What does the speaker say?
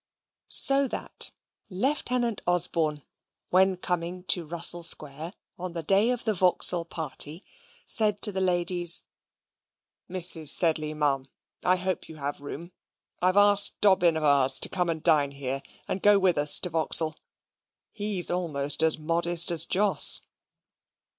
So that Lieutenant Osborne, when coming to Russell Square on the day of the Vauxhall party, said to the ladies, "Mrs. Sedley, Ma'am, I hope you have room; I've asked Dobbin of ours to come and dine here, and go with us to Vauxhall. He's almost as modest as Jos."